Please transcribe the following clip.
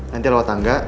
nanti lewat tangga